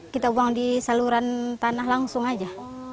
kita buang di saluran tanah langsung aja